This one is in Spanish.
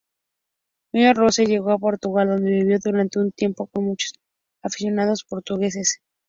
Mia Rose llegó a Portugal, donde vivió durante un tiempo con muchos aficionados portugueses.